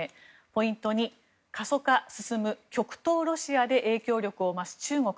ポイント２、過疎化進む極東ロシアで影響力を増す中国。